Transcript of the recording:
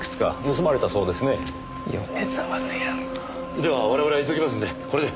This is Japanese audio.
では我々は急ぎますんでこれで。